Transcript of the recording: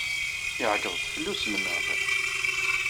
Iɛeyyeḍ-d fell-i uselmad.